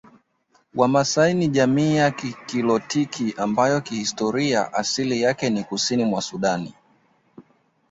Wamasai ni jamii ya nilotiki ambayo kihistoria asilia yake ni Kusini mwa Sudani